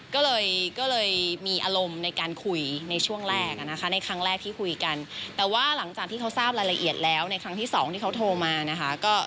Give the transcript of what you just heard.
ก็เลยก็เลยมีอารมณ์ในการคุยในช่วงแรกนะคะในครั้งแรกที่คุยกันแต่ว่าหลังจากที่เขาทราบรายละเอียดแล้วในครั้งที่สองที่เขาโทรมานะคะ